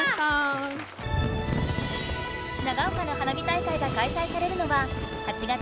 長岡の花火大会が開催されるのは８月２日と３日。